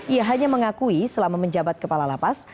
ia hanya mengakui selama menjabat kepala lapas